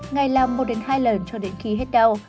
ngày làm một hai lần cho đến khi hết đau